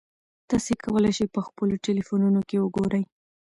تاسي کولای شئ په خپلو ټیلیفونونو کې وګورئ.